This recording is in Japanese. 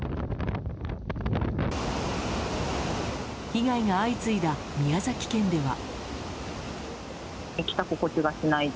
被害が相次いだ宮崎県では。